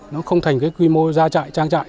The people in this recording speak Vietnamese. nó không thành cái quy mô ra trại trang trại